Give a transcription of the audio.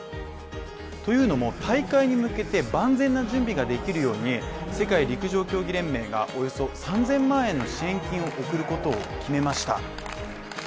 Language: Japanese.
というのも、大会に向けて万全な準備ができるように世界陸上競技連盟がおよそ３０００万円の支援金を贈ることを決めました。